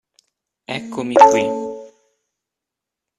Eccomi qui!